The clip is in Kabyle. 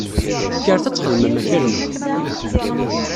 Kkret ad txedmem akal-nwen!